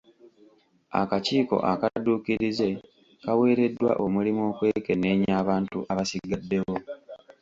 Akakiiko akadduukirize kaweereddwa omulimu okwekenneenya abantu abasigaddewo.